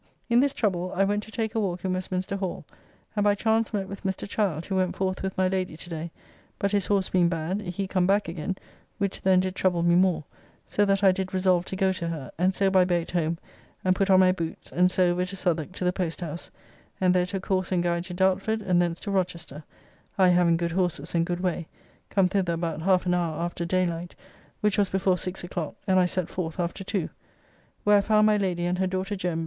In this trouble, I went to take a walk in Westminster Hall and by chance met with Mr. Child, who went forth with my Lady to day, but his horse being bad, he come back again, which then did trouble me more, so that I did resolve to go to her; and so by boat home and put on my boots, and so over to Southwarke to the posthouse, and there took horse and guide to Dartford and thence to Rochester (I having good horses and good way, come thither about half an hour after daylight, which was before 6 o'clock and I set forth after two), where I found my Lady and her daughter Jem.